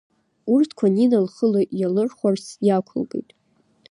Урҭқәа Нина лхы иалырхәарц иақәылкит…